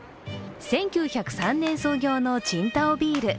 １９０３年創業の青島ビール。